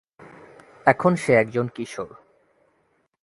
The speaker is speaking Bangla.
এখন সে একজন কিশোর।